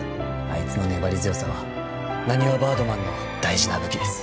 あいつの粘り強さはなにわバードマンの大事な武器です。